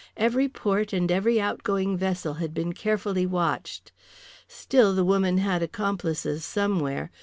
Every port and every outgoing vessel had been carefully watched. Still, the woman had accomplices somewhere.